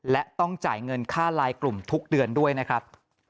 และต้องจ่ายเงินค่าลายกลุ่มทุกเดือนด้วยนะครับ